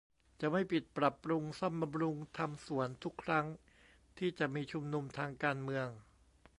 จะไม่ปิดปรับปรุงซ่อมบำรุงทำสวน ทุกครั้งที่จะมีชุมนุมทางการเมือง